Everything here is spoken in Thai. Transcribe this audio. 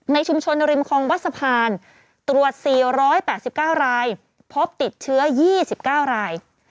ในชุมชนริมคลองวัดสะพานตรวจ๔๘๙รายพบติดเชื้อ๒๙ราย